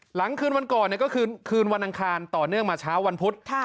หลังคืนวันก่อนก็คือคืนวันอังคารต่อเนื่องมาเช้าวันพุธ